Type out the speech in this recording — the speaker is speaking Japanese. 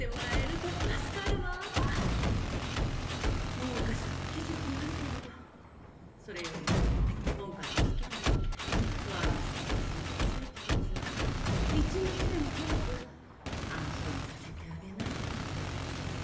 文科省の期日もあるけどそれより今回のスキャンダルで不安にさせてしまった生徒たちを一日でも早く安心させてあげないと。